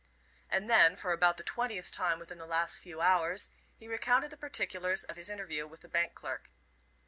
And then, for about the twentieth time within the last few hours, he recounted the particulars of his interview with the bank clerk.